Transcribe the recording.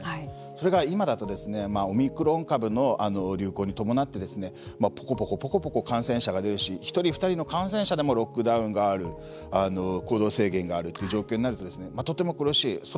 それが今だとオミクロン株の流行に伴ってぽこぽこ、ぽこぽこ感染者が出るし１人２人の感染者でもロックダウンがある行動制限があるという状況になるととても苦しい。